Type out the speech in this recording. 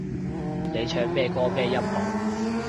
你唱咩歌咩音部